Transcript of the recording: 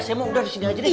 saya mau udah disini aja deh